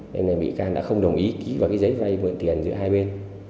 nên là bị can đã không đồng ý ký vào cái giấy vay mượn tiền giữa hai bên